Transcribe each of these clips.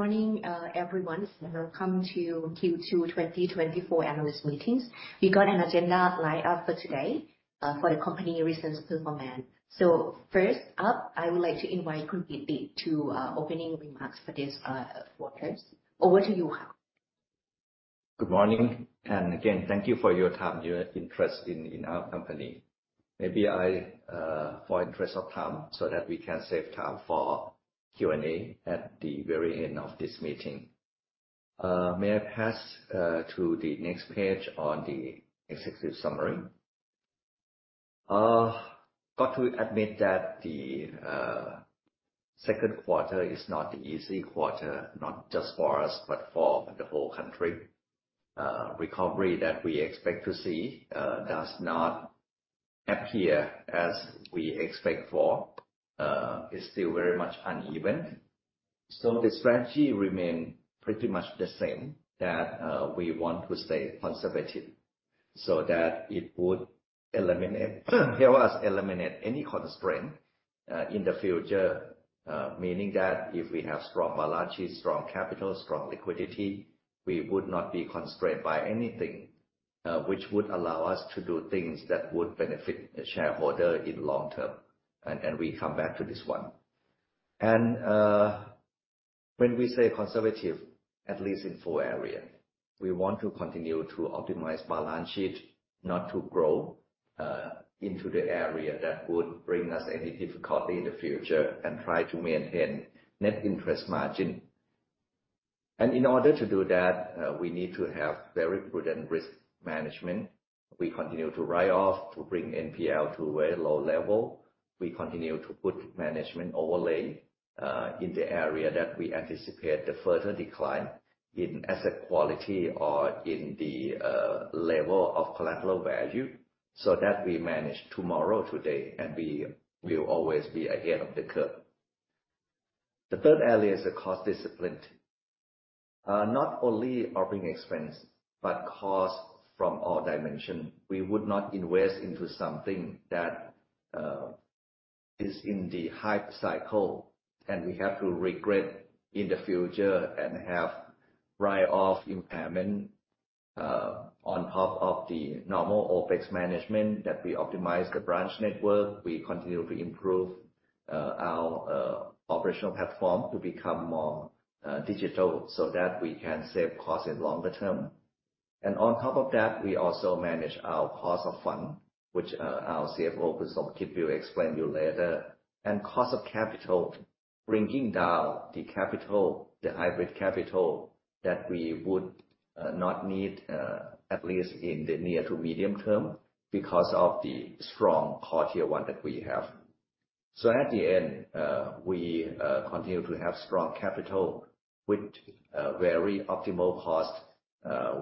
Good morning, everyone, and welcome to Q2 2024 analyst meetings. We got an agenda lined up for today, for the company recent performance. First up, I would like to Khun Piti to opening remarks for this quarters. Over to you, Khun. Good morning, and again, thank you for your time, your interest in our company. Maybe I, for interest of time, so that we can save time for Q&A at the very end of this meeting. May I pass to the next page on the executive summary? Got to admit that the second quarter is not an easy quarter, not just for us, but for the whole country. Recovery that we expect to see does not appear as we expect for is still very much uneven. So the strategy remain pretty much the same, that we want to stay conservative so that it would eliminate, help us eliminate any constraint in the future. Meaning that if we have strong balance sheet, strong capital, strong liquidity, we would not be constrained by anything, which would allow us to do things that would benefit the shareholder in long-term. And we come back to this one. When we say conservative, at least in four areas, we want to continue to optimize balance sheet, not to grow into the area that would bring us any difficulty in the future and try to maintain net interest margin. And in order to do that, we need to have very prudent risk management. We continue to write off to bring NPL to very low level. We continue to put management overlay in the area that we anticipate the further decline in asset quality or in the level of collateral value, so that we manage tomorrow today, and we will always be ahead of the curve. The third area is the cost discipline. Not only operating expense, but cost from all dimension. We would not invest into something that is in the hype cycle, and we have to regret in the future and have write-off impairment on top of the normal OpEx management that we optimize the branch network. We continue to improve our operational platform to become more digital so that we can save cost in longer term. And on top of that, we also manage our cost of funds, which our CFO, Khun Somkid, will explain to you later. Cost of capital, bringing down the capital, the hybrid capital, that we would not need, at least in the near to medium-term, because of the strong core Tier 1 that we have. So at the end, we continue to have strong capital with very optimal cost.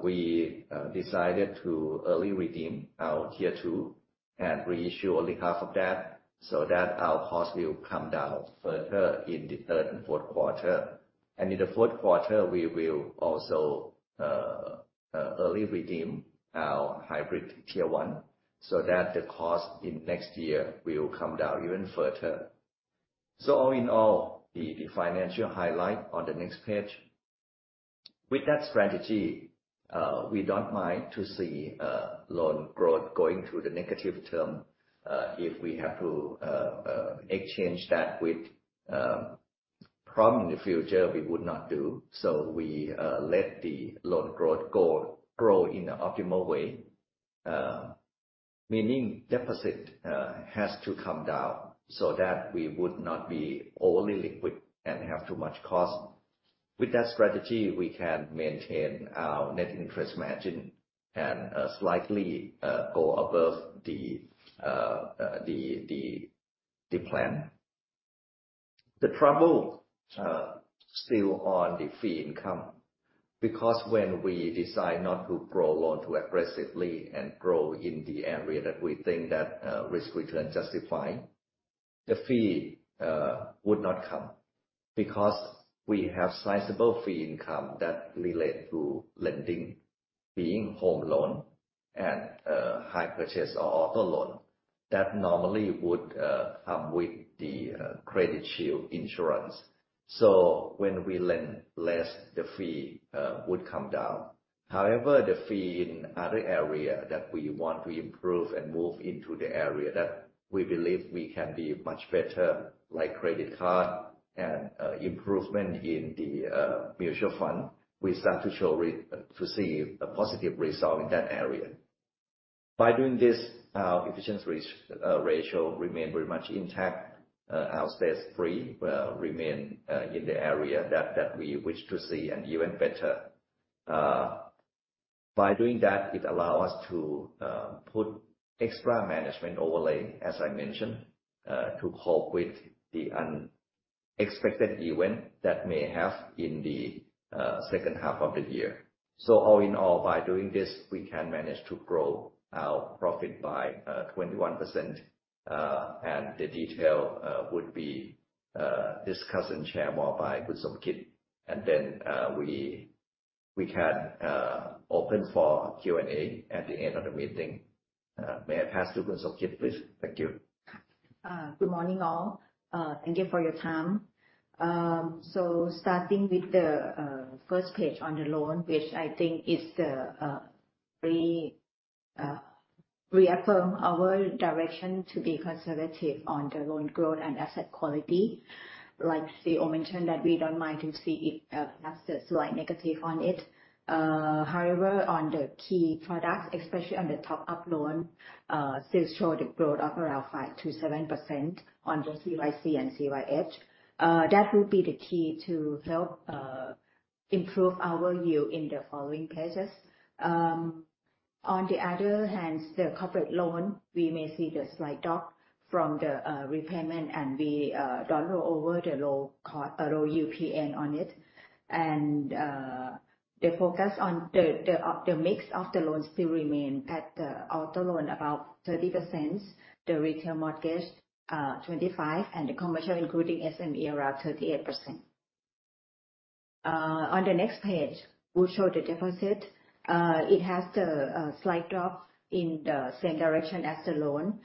We decided to early redeem our Tier 2 and reissue only half of that, so that our cost will come down further in the third and fourth quarter. And in the fourth quarter, we will also early redeem our hybrid Tier 1, so that the cost in next year will come down even further. So all in all, the financial highlight on the next page. With that strategy, we don't mind to see loan growth going to the negative term. If we have to exchange that with problem in the future, we would not do so we let the loan growth grow in an optimal way. Meaning deficit has to come down so that we would not be overly liquid and have too much cost. With that strategy, we can maintain our net interest margin and slightly go above the plan. The trouble still on the fee income, because when we decide not to grow loan too aggressively and grow in the area that we think that risk-return justified, the fee would not come. Because we have sizable fee income that relate to lending, being home loan and hire purchase or auto loan, that normally would come with the Credit Shield Insurance. So when we lend less, the fee would come down. However, the fee in other area that we want to improve and move into the area that we believe we can be much better, like credit card and improvement in the mutual fund, we start to see a positive result in that area. By doing this, our efficiency ratio remain very much intact. Our Stage 3 remain in the area that we wish to see, and even better. By doing that, it allow us to put extra management overlay, as I mentioned, to cope with the unexpected event that may have in the second half of the year. So all in all, by doing this, we can manage to grow our profit by 21%, and the detail would be discussed and shared more by Khun Somkid. And then, we can open for Q&A at the end of the meeting. May I pass to Khun Somkid, please? Thank you. Good morning, all. Thank you for your time. So starting with the first page on the loan, which I think is the we reaffirm our direction to be conservative on the loan growth and asset quality. Like CEO mentioned, that we don't mind to see it have the slight negative on it. However, on the key products, especially on the top-up loan, still show the growth of around 5%-7% on the CYC and CYH. That will be the key to help improve our yield in the following pages. On the other hand, the corporate loan, we may see the slight drop from the repayment, and we don't roll over the low cost low UPN on it. The focus on the mix of the loans still remain at the auto loan, about 30%, the retail mortgage, 25, and the commercial, including SME, around 38%. On the next page, we'll show the deposit. It has the slight drop in the same direction as the loan.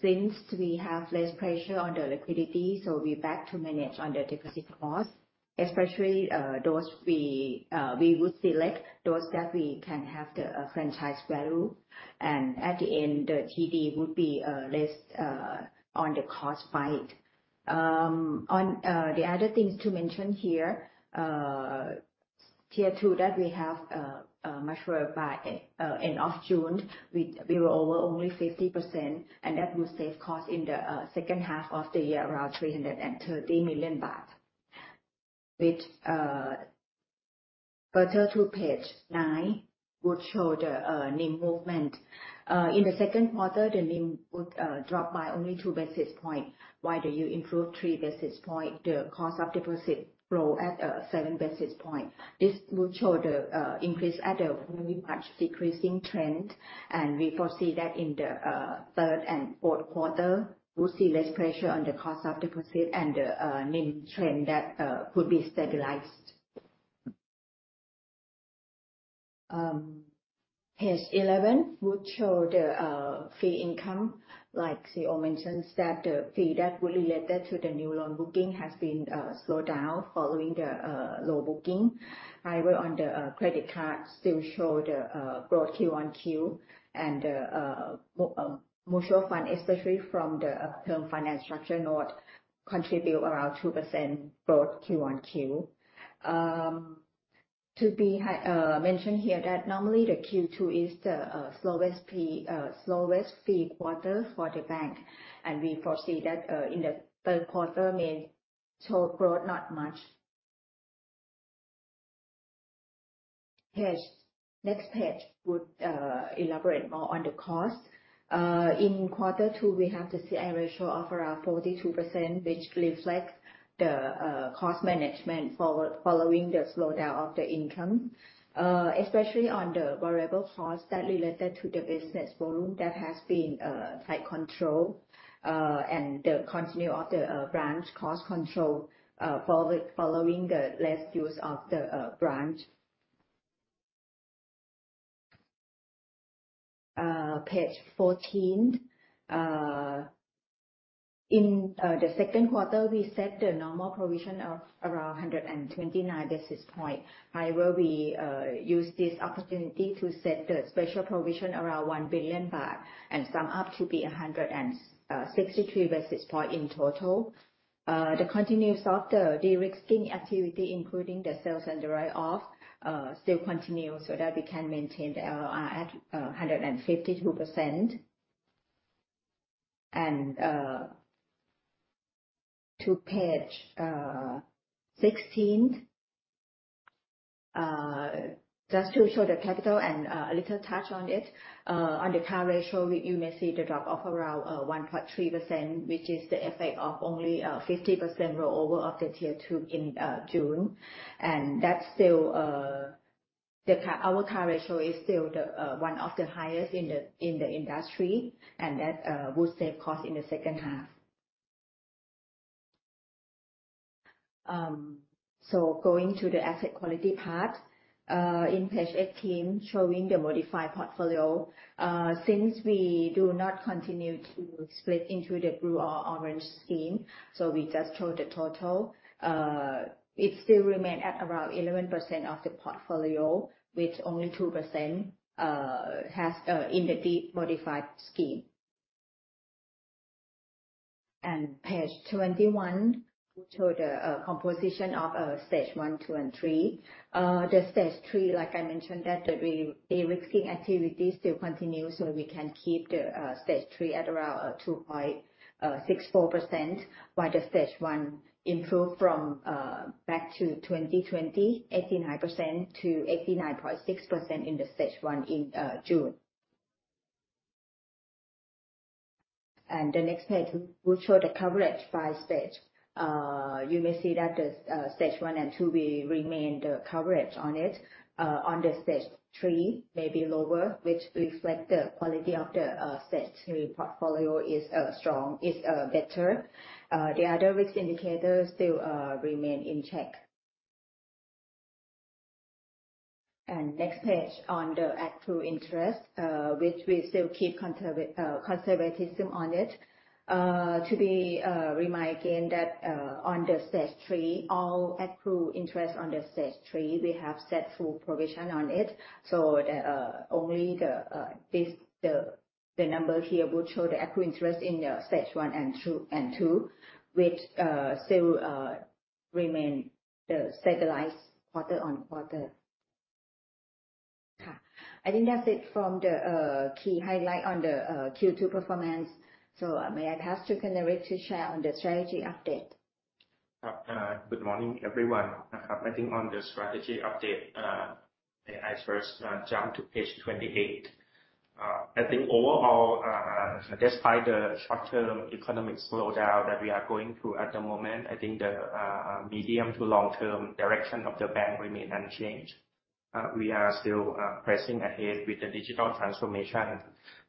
Since we have less pressure on the liquidity, so we're back to manage on the deposit cost, especially, those we would select those that we can have the franchise value. At the end, the TD would be less on the cost side. On the other things to mention here, Tier 2 that we have matured by end of June, we were over only 50%, and that will save cost in the second half of the year, around 330 million baht. Which, further to page nine, would show the NIM movement. In the second quarter, the NIM would drop by only two basis point, while the yield improved three basis point, the cost of deposit grow at seven basis point. This will show the increase at a very much decreasing trend, and we foresee that in the third and fourth quarter, we'll see less pressure on the cost of deposit and the NIM trend that could be stabilized. page eleven would show the fee income. The CEO mentions, that the fee that would related to the new loan booking has been slowed down following the low booking. However, on the credit card still show the growth Q-on-Q, and mutual fund, especially from the Term Fund, not contribute around 2% growth Q-on-Q. To be mentioned here, that normally the Q2 is the slowest fee, slowest fee quarter for the bank, and we foresee that in the third quarter may show growth not much. Next page would elaborate more on the cost. In quarter two, we have the CI ratio of around 42%, which reflect the cost management following the slowdown of the income. Especially on the variable costs that related to the business volume, that has been tight control, and the continue of the branch cost control, following the less use of the branch. page 14. In the second quarter, we set the normal provision of around 129 basis point. However, we use this opportunity to set the special provision around 1 billion baht, and sum up to be 163 basis point in total. The continues of the de-risking activity, including the sales and write-off, still continue, so that we can maintain the LLR at 152%. To page 16. Just to show the capital and a little touch on it. On the capital ratio, you may see the drop of around 1.3%, which is the effect of only 50% rollover of the Tier 2 in June. And that's still our capital ratio is still the one of the highest in the industry, and that will save cost in the second half. So going to the asset quality part in page 18, showing the modified portfolio. Since we do not continue to split into the Blue or Orange Scheme, so we just show the total. It still remain at around 11% of the portfolio, with only 2% has in the deep modified scheme. And page 21 show the composition of Stage 1, 2, and 3. The stage three, like I mentioned, that the de-risking activity still continue, so we can keep the stage three at around 2.64%, while the stage one improve from back to 2020, 89% to 89.6% in the stage one in June. And the next page will show the coverage by stage. You may see that the stage one and two, we remain the coverage on it. On the stage three, may be lower, which reflect the quality of the stage three portfolio is strong, is better. The other risk indicators still remain in check. And next page on the accrued interest, which we still keep conservatism on it. To remind again that, on the Stage 3, all accrued interest on the Stage 3, we have set full provision on it. So, only this number here would show the accrued interest in the Stage 1 and 2, which still remain stabilized quarter-on-quarter. I think that's it from the key highlight on the Q2 performance. So, may I ask Khun Naris to share on the strategy update? Good morning, everyone. I think on the strategy update, may I first jump to page 28. I think overall, despite the short-term economic slowdown that we are going through at the moment, I think the medium to long-term direction of the bank remain unchanged. We are still pressing ahead with the digital transformation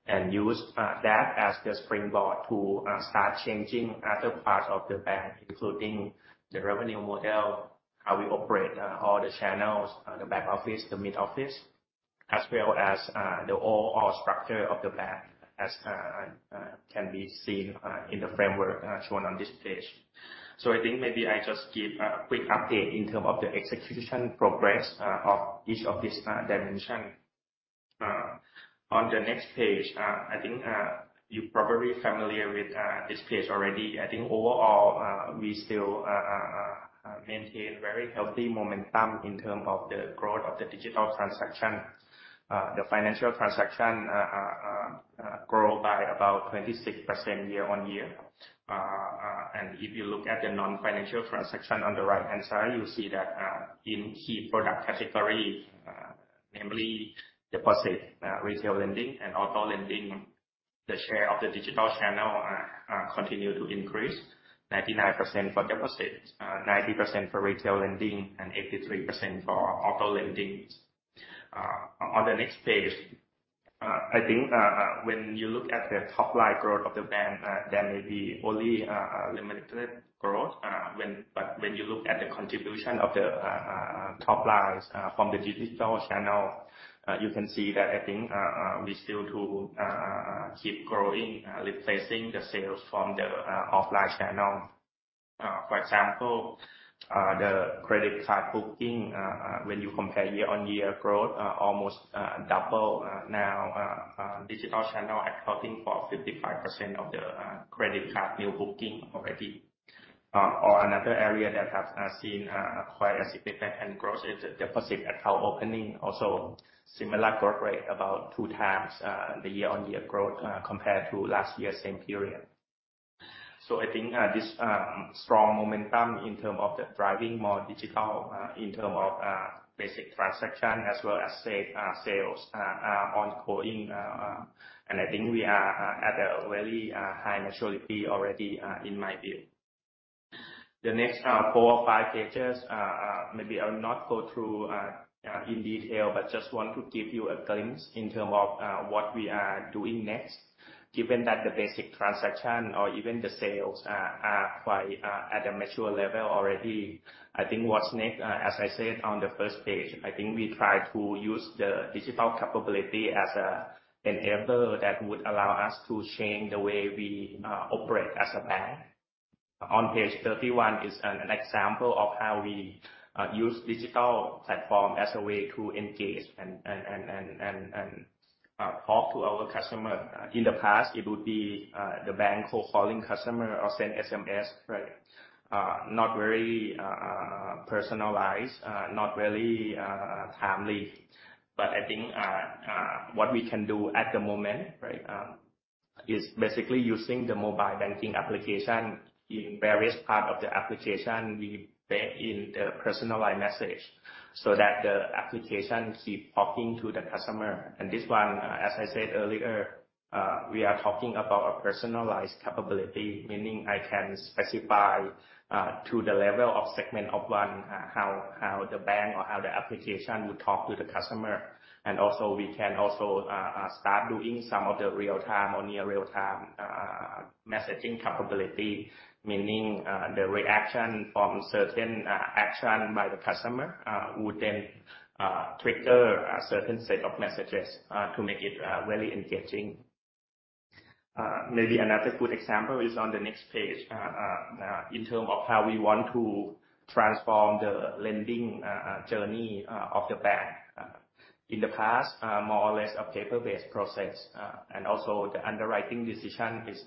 and use that as the springboard to start changing other parts of the bank, including the revenue model, how we operate, all the channels, the back office, the mid office, as well as the overall structure of the bank, as can be seen in the framework shown on this page. So I think maybe I just give a quick update in term of the execution progress of each of these dimension. On the next page, I think you're probably familiar with this page already. I think overall, we still maintain very healthy momentum in term of the growth of the digital transaction. The financial transaction grow by about 26% year-on-year. And if you look at the non-financial transaction on the right-hand side, you see that, in key product categories, namely deposit, retail lending and auto lending, the share of the digital channel continue to increase 99% for deposits, 90% for retail lending, and 83% for auto lendings. On the next page, I think, when you look at the top line growth of the bank, there may be only limited growth, but when you look at the contribution of the top lines from the digital channel, you can see that I think we still to keep growing, replacing the sales from the offline channel. For example, the credit card booking, when you compare year-on-year growth, almost double. Now, digital channel accounting for 55% of the credit card new booking already. Or another area that has seen quite a significant growth is the deposit account opening. Also, similar growth rate, about two times the year-on-year growth, compared to last year's same period. So I think, this strong momentum in terms of driving more digital, in terms of basic transaction as well as sales ongoing, and I think we are at a very high maturity already, in my view. The next four or five pages, maybe I'll not go through in detail, but just want to give you a glimpse in terms of what we are doing next. Given that the basic transaction or even the sales are quite at a mature level already, I think what's next, as I said on the first page, I think we try to use the digital capability as an enabler that would allow us to change the way we operate as a bank. On page 31 is an example of how we use digital platform as a way to engage and talk to our customer. In the past, it would be the bank cold calling customer or send SMS, right? Not very personalized, not very timely, but I think what we can do at the moment, right, is basically using the mobile banking application. In various part of the application, we bake in the personalized message so that the application is talking to the customer. And this one, as I said earlier, we are talking about a personalized capability, meaning I can specify to the level of segment of one how the bank or how the application would talk to the customer. We can also start doing some of the real-time or near real-time messaging capability, meaning the reaction from certain action by the customer would then trigger a certain set of messages to make it very engaging. Maybe another good example is on the next page in terms of how we want to transform the lending journey of the bank. In the past, more or less a paper-based process, and also the underwriting decision is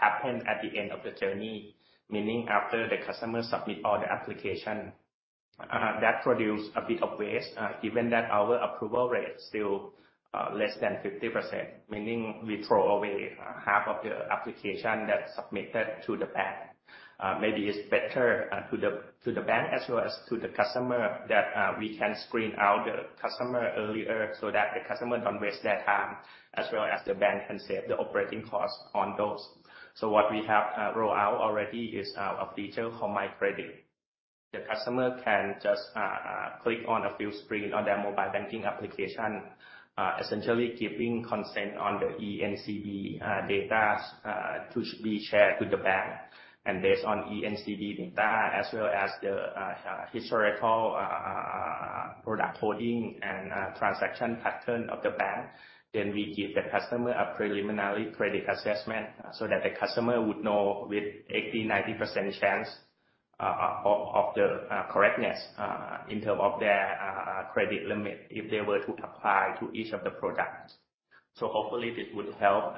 happen at the end of the journey, meaning after the customer submit all the application, that produce a bit of waste, given that our approval rate still less than 50%, meaning we throw away half of the application that's submitted to the bank. Maybe it's better to the bank as well as to the customer that we can screen out the customer earlier so that the customer don't waste their time, as well as the bank can save the operating cost on those. So what we have roll out already is a feature called My Credit. The customer can just click on a few screen on their mobile banking application, essentially keeping consent on the ENCB data to be shared to the bank. And based on ENCB data, as well as the historical product holding and transaction pattern of the bank, then we give the customer a preliminary credit assessment so that the customer would know with 80-90% chance of the correctness in terms of their credit limit, if they were to apply to each of the products. So hopefully, this would help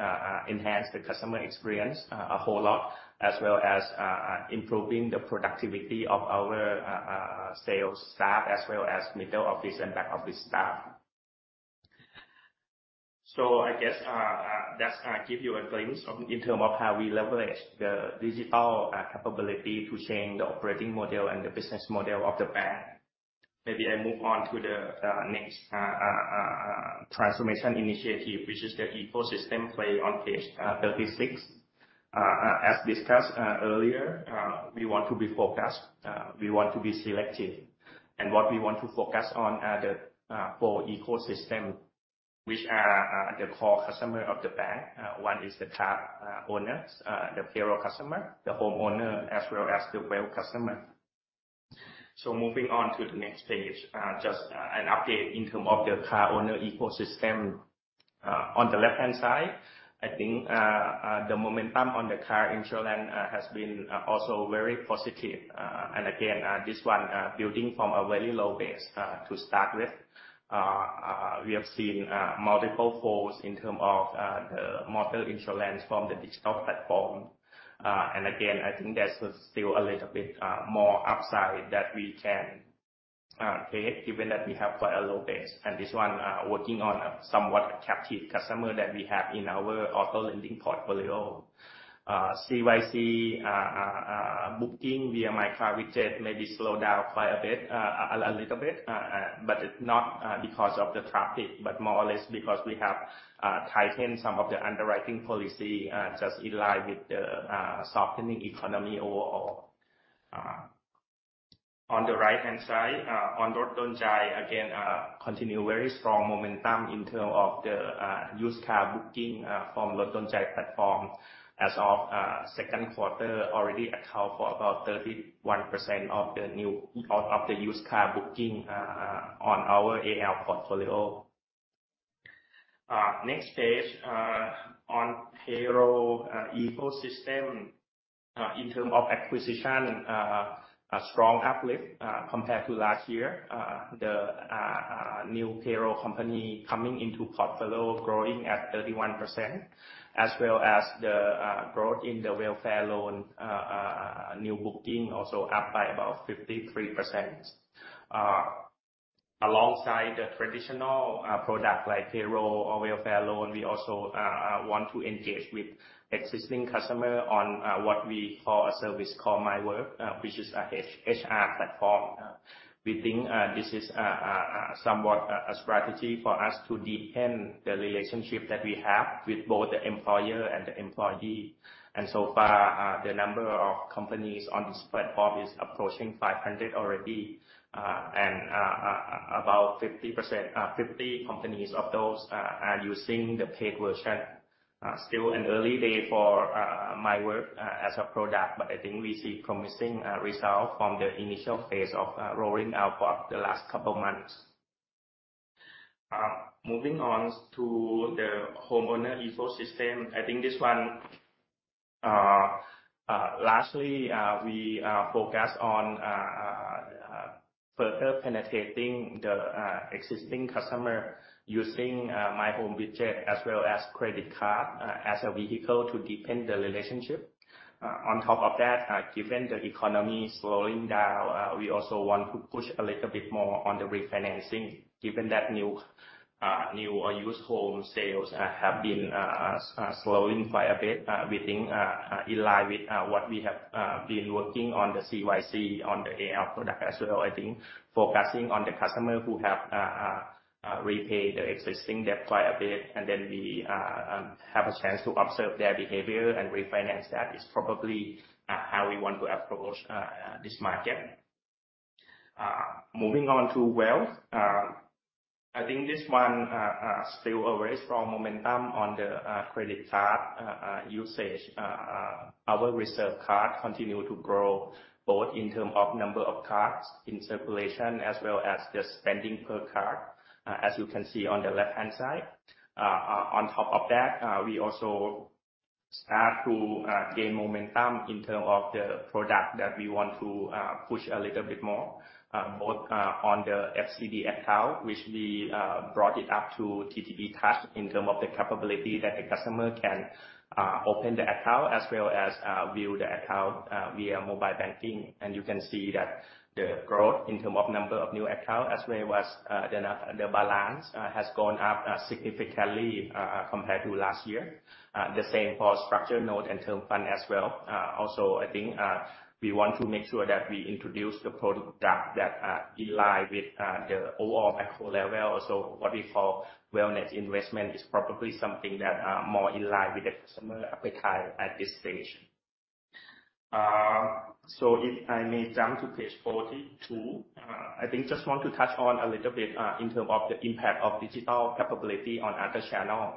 enhance the customer experience a whole lot, as well as improving the productivity of our sales staff, as well as middle office and back office staff. So I guess, that's give you a glimpse of in terms of how we leverage the digital capability to change the operating model and the business model of the bank. Maybe I move on to the next transformation initiative, which is the ecosystem play on page 36. As discussed earlier, we want to be focused, we want to be selective. And what we want to focus on are the four ecosystems, which are the core customers of the bank. One is the car owners, the payroll customer, the homeowner, as well as the wealth customer. So moving on to the next page, just an update in terms of the car owner ecosystem. On the left-hand side, I think the momentum on the car insurance has been also very positive. And again, this one building from a very low base to start with. We have seen multiple folds in term of the motor insurance from the digital platform. And again, I think there's still a little bit more upside that we can create, given that we have quite a low base. And this one working on a somewhat captive customer that we have in our auto lending portfolio. CYC booking via My Car widget may be slowed down quite a bit, but not because of the traffic, but more or less because we have tightened some of the underwriting policy, just in line with the softening economy overall. On the right-hand side, on RodDonJai, again, continue very strong momentum in term of the used car booking from RodDonJai platform. As of second quarter, already account for about 31% of the new, of the used car booking on our AL portfolio. Next page, on payroll ecosystem. In term of acquisition, a strong uplift compared to last year. The new payroll company coming into portfolio growing at 31%, as well as the growth in the welfare loan new booking also up by about 53%. Alongside the traditional product, like payroll or welfare loan, we also want to engage with existing customer on what we call a service called My Work, which is a HR platform. We think this is somewhat a strategy for us to deepen the relationship that we have with both the employer and the employee. So far, the number of companies on this platform is approaching 500 already, and about 50%, 50 companies of those, are using the paid version. Still an early day for My Work as a product, but I think we see promising results from the initial phase of rolling out for the last couple months. Moving on to the homeowner ecosystem. I think this one, lastly, we focus on further penetrating the existing customer using My Home widget, as well as credit card, as a vehicle to deepen the relationship. On top of that, given the economy slowing down, we also want to push a little bit more on the refinancing, given that new, new or used home sales have been slowing quite a bit. We think, in line with what we have been working on the CYC, on the AL product as well. I think focusing on the customer who have repaid the existing debt quite a bit, and then we have a chance to observe their behavior and refinance that, is probably how we want to approach this market. Moving on to wealth. I think this one still a very strong momentum on the credit card usage. Our Reserve card continues to grow both in terms of number of cards in circulation, as well as the spending per card, as you can see on the left-hand side. On top of that, we also start to gain momentum in terms of the product that we want to push a little bit more, both on the FCD account, which we brought it up to ttb Touch in terms of the capability that the customer can open the account as well as view the account via mobile banking. And you can see that the growth in terms of number of new account, as well as the balance, has gone up significantly, compared to last year. The same for structured note and Term Fund as well. Also, I think, we want to make sure that we introduce the product that, in line with, the overall macro level. So what we call Wellness Investment is probably something that, more in line with the customer appetite at this stage.... So if I may jump to page 42, I think just want to touch on a little bit, in terms of the impact of digital capability on other channel.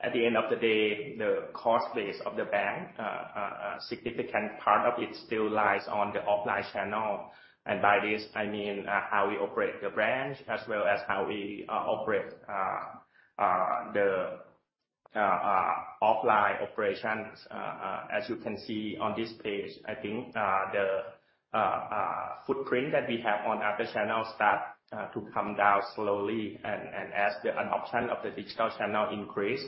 At the end of the day, the cost base of the bank, a significant part of it still lies on the offline channel. And by this, I mean, how we operate the branch, as well as how we operate the offline operations. As you can see on this page, I think, the footprint that we have on other channels start to come down slowly. As the adoption of the digital channel increase,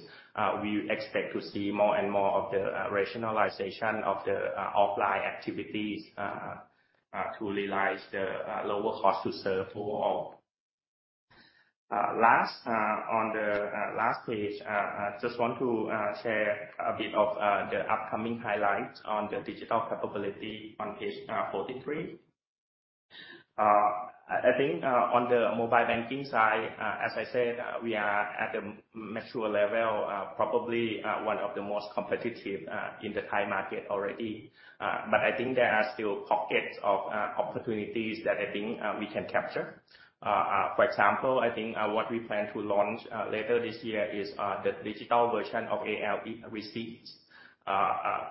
we expect to see more and more of the rationalization of the offline activities to realize the lower cost to serve overall. Last, on the last page, I just want to share a bit of the upcoming highlights on the digital capability on page 43. I think, on the mobile banking side, as I said, we are at the mature level, probably, one of the most competitive in the Thai market already. But I think there are still pockets of opportunities that I think we can capture. For example, I think what we plan to launch later this year is the digital version of AL receipts.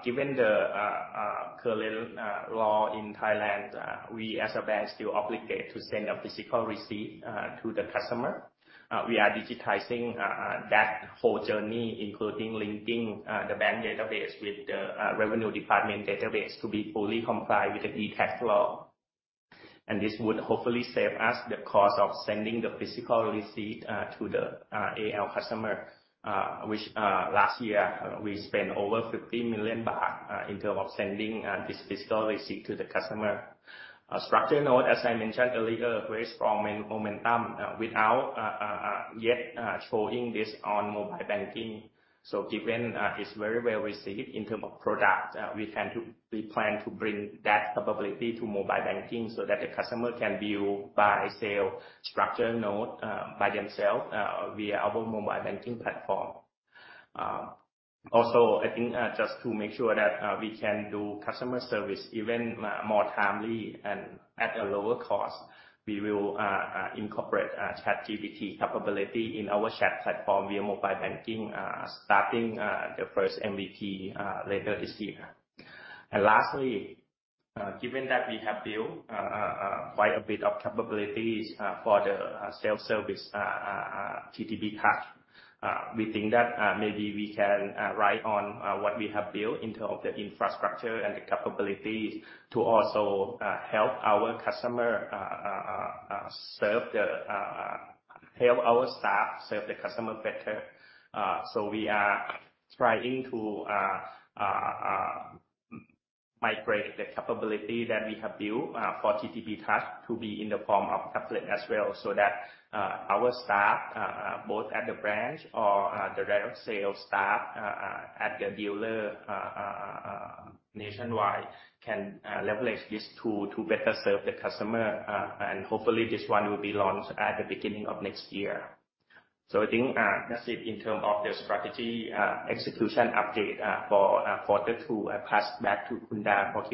Given the current law in Thailand, we as a bank still obligated to send a physical receipt to the customer. We are digitizing that whole journey, including linking the bank database with the Revenue Department database to be fully compliant with the e-Tax law. This would hopefully save us the cost of sending the physical receipt to the AL customer, which last year we spent over 50 million baht in terms of sending this physical receipt to the customer. Structured note, as I mentioned earlier, with strong momentum without yet showing this on mobile banking. So, given it's very well received in terms of product, we plan to bring that capability to mobile banking so that the customer can view, buy, sell structured note by themselves via our mobile banking platform. Also, I think just to make sure that we can do customer service even more timely and at a lower cost, we will incorporate ChatGPT capability in our chat platform via mobile banking starting the first MVP later this year. Lastly, given that we have built quite a bit of capabilities for the self-service TTB card, we think that maybe we can ride on what we have built in terms of the infrastructure and the capabilities to also help our staff serve the customer better. So we are trying to migrate the capability that we have built for TTB card to be in the form of tablet as well, so that our staff both at the branch or the direct sales staff at the dealer nationwide can leverage this tool to better serve the customer. And hopefully, this one will be launched at the beginning of next year. So I think, that's it in terms of the strategy, execution update, for quarter two. I pass back to Khun Da for Q&A.